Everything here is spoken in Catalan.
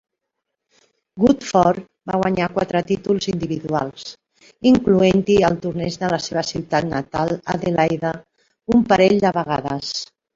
Woodforde va guanyar quatre títols individuals, incloent-hi el torneig de la seva ciutat natal Adelaide un parell de vegades.